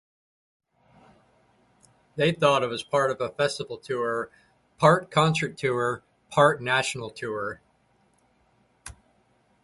They thought it was Part Festival Tour, Part Concert Tour, Part National Tour.